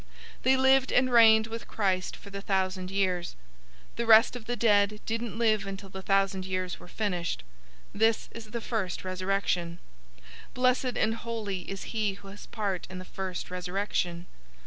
They lived, and reigned with Christ for the thousand years. 020:005 The rest of the dead didn't live until the thousand years were finished. This is the first resurrection. 020:006 Blessed and holy is he who has part in the first resurrection.